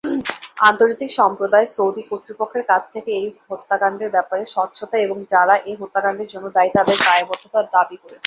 আন্তর্জাতিক সম্প্রদায় সৌদি কর্তৃপক্ষের কাছ থেকে এই হত্যাকাণ্ডের ব্যাপারে স্বচ্ছতা এবং যারা এই হত্যাকাণ্ডের জন্য দায়ী তাদের দায়বদ্ধতা দাবী করেছে।